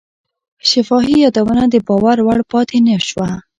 شفاهي یادونه د باور وړ پاتې نه شوه.